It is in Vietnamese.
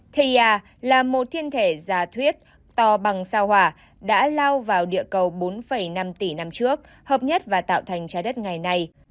theia là một thiên thể giả thuyết to bằng sao hỏa đã lao vào địa cầu bốn năm tỷ năm trước hợp nhất và tạo thành trái đất ngày nay